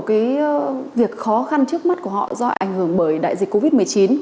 cái việc khó khăn trước mắt của họ do ảnh hưởng bởi đại dịch covid một mươi chín